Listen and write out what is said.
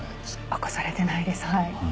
明かされてないです。